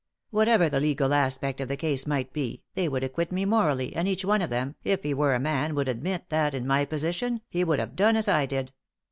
Whatever the legal aspect of the case might be, they would acquit me morally, and each one of them, if he were a man, would admit that, in my position, he would have done as I did.